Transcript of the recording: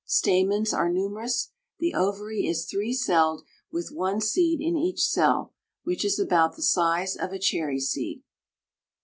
Stamens are numerous. The ovary is three celled, with one seed in each cell, which is about the size of a cherry seed.